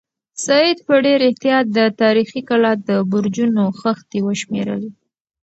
سعید په ډېر احتیاط د تاریخي کلا د برجونو خښتې وشمېرلې.